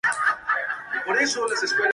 Autor de tres novelas breves.